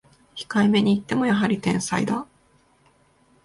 控えめに言ってもやはり天才だ